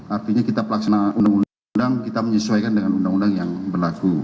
artinya kita pelaksanaan undang undang kita menyesuaikan dengan undang undang yang berlaku